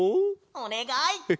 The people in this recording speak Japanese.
おねがい！